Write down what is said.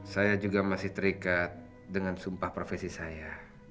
saya juga masih terikat dengan sumpah profesi saya